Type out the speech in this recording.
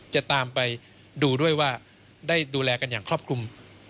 จะตามไปดูด้วยว่าได้ดูแลกันอย่างครอบคลุม